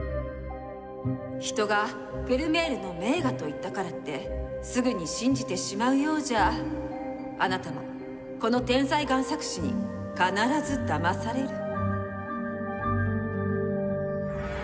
人が「フェルメールの名画」と言ったからってすぐに信じてしまうようじゃあなたもこの天才贋作師に必ずだまされる！